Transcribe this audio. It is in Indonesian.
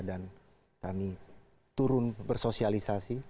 dan kami turun bersosialisasi